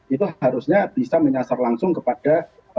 itu harusnya bisa menyasar langsung kepada